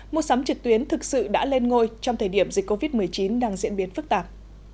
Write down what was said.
mua sắm trực tuyến thực sự đã lên ngôi trong thời điểm dịch covid một mươi chín đang diễn biến phức tạp